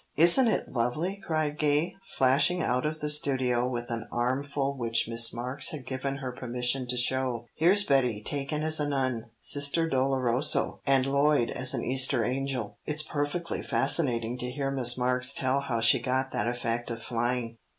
"Isn't it lovely?" cried Gay, flashing out of the studio with an armful which Miss Marks had given her permission to show. "Here's Betty taken as a nun Sister Doloroso and Lloyd as an Easter angel. It's perfectly fascinating to hear Miss Marks tell how she got that effect of flying.